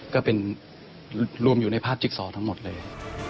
ก็เป็นรวมอยู่ในภาพจิ๊กซอทั้งหมดเลย